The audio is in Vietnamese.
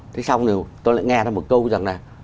thế xong thì tôi lại nghe ra một câu rằng là